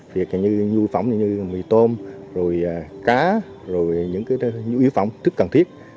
việc như nhu yếu phẩm như mì tôm rồi cá rồi những cái nhu yếu phẩm rất cần thiết